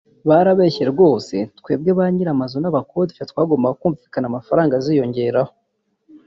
”Barabeshya rwose twebwe bany’ir’inzu n’abakodesha twagombaga kumvikana amafaranga aziyongeraho